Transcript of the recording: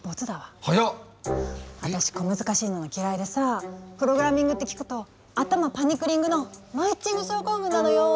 私小難しいのが嫌いでさプログラミングって聞くと頭パニクリングのマイッチング症候群なのよ。